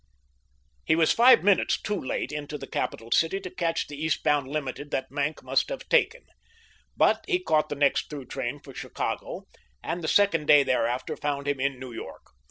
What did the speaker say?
He was five minutes too late into the capital city to catch the eastbound limited that Maenck must have taken; but he caught the next through train for Chicago, and the second day thereafter found him in New York.